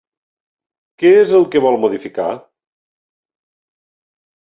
Què és el que vol modificar?